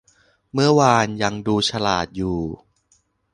เมื่อวานยังดูฉลาดอยู่